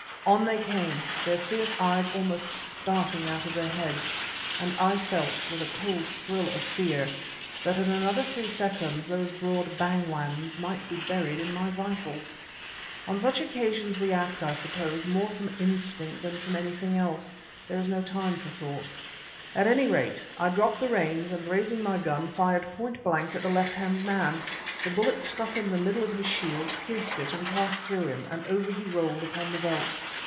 On they came, their fierce eyes almost starting out of their heads, and I felt, with a cold thrill of fear, that in another three seconds those broad "bangwans" might be buried in my vitals. On such occasions we act, I suppose, more from instinct than from anything else—there is no time for thought. At any rate, I dropped the reins and, raising my gun, fired point blank at the left hand man. The bullet struck him in the middle of his shield, pierced it, and passed through him, and over he rolled upon the veldt.